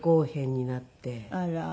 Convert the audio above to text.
あら。